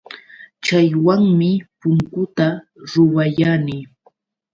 Chaywanmi punkuta ruwayani.